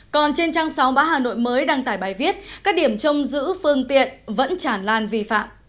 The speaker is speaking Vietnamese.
còn trên trang sóng bã hà nội mới đăng tải bài viết các điểm trông giữ phương tiện vẫn chẳng làn vi phạm